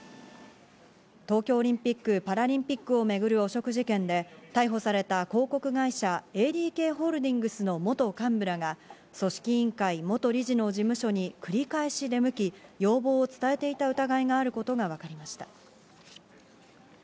東京オリンピック・パラリンピックを巡る汚職事件で逮捕された広告会社ＡＤＫホールディングスの元幹部らが組織委員会・元理事の事務所に、繰り返し出向き、要望を伝えていた疑いがあることがわかりました。